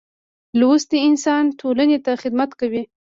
لوستی انسان ټولنې ته خدمت کوي.